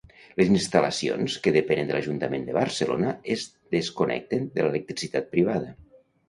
Les instal·lacions que depenen de l'Ajuntament de Barcelona es desconnecten de l'electricitat privada.